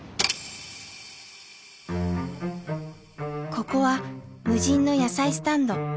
ここは無人の野菜スタンド。